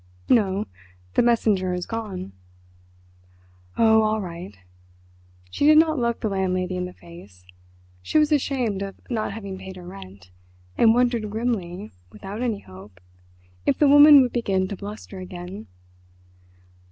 "No; the messenger has gone." "Oh, all right!" She did not look the landlady in the face; she was ashamed of not having paid her rent, and wondered grimly, without any hope, if the woman would begin to bluster again.